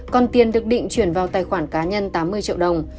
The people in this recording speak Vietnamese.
còn tiền được định chuyển vào tài khoản cá nhân tám mươi triệu đồng